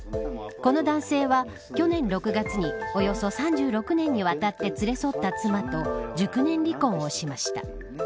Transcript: この男性は去年６月におよそ３６年にわたって連れ添った妻と熟年離婚をしました。